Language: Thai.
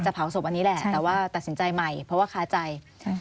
เผาศพอันนี้แหละแต่ว่าตัดสินใจใหม่เพราะว่าค้าใจ